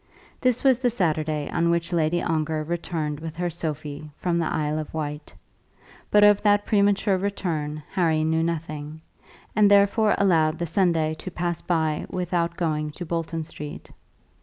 This was the Saturday on which Lady Ongar returned with her Sophie from the Isle of Wight; but of that premature return Harry knew nothing, and therefore allowed the Sunday to pass by without going to Bolton Street.